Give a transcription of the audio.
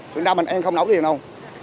thực ra mình em không nấu tiền đâu